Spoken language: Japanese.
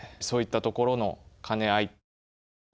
そういったところのかね合い。